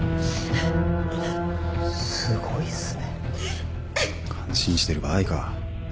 すごいっすね。感心してる場合か。